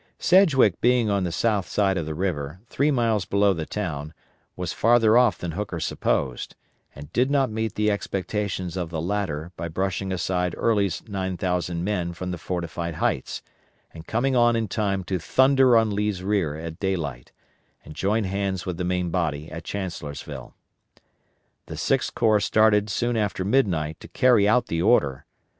Sedgwick being on the south side of the river, three miles below the town, was farther off than Hooker supposed, and did not meet the expectations of the latter by brushing aside Early's 9,000 men from the fortified heights, and coming on in time to thunder on Lee's rear at daylight, and join hands with the main body at Chancellorsville. The Sixth Corps started soon after midnight to carry out the order.